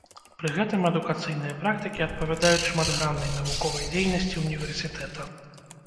Пры гэтым адукацыйныя практыкі адпавядаюць шматграннай навуковай дзейнасці ўніверсітэта.